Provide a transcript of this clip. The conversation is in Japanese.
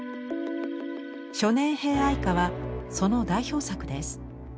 「初年兵哀歌」はその代表作です。